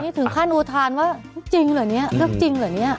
นี่ถึงขั้นอุทานว่าจริงเหรอเนี่ยเรื่องจริงเหรอเนี่ย